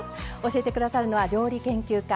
教えて下さるのは料理研究家